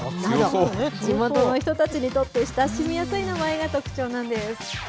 地元の人たちにとって親しみやすい名前が特徴なんです。